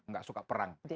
nggak suka perang